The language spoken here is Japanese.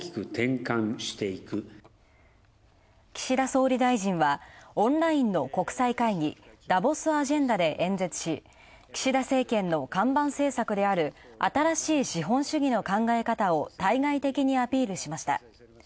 岸田総理大臣はオンラインの国際会議、ダボス・アジェンダで演説し、岸田政権の看板政策である新しい資本主義の考え方を対外的にアピールしました。